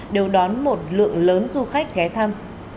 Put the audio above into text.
đều đón một lượng lớn du khách ghé thăm